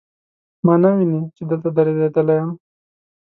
ما نه ویني، چې دلته دریدلی یم